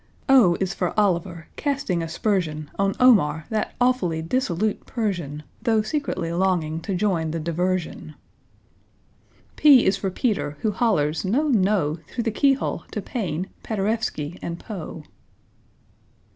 =O= is for =O=liver, casting aspersion On =O=mar, that awfully dissolute Persian, Though secretly longing to join the diversion. =P= is for =P=eter, who hollers "No! No!" Through the keyhole to =P=aine, =P=aderewski, and =P=oe.